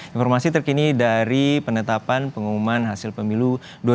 informasi terkini dari penetapan pengumuman hasil pemilu dua ribu sembilan belas